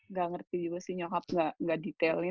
nggak ngerti juga sih nyokap nggak detailin